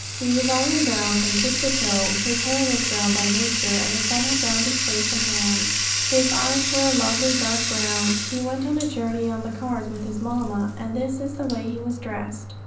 He was all in brown from tip to toe. His hair was brown by nature, and the sun had browned his face and hands. His eyes were a lovely dark brown. He went on a journey on the cars with his mamma, and this is the way he was dressed.